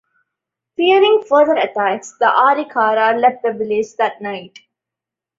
Fearing further attacks, the Arikara left the village that night.